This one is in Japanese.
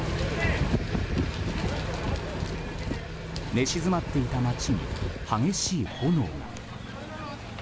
寝静まっていた街に激しい炎が。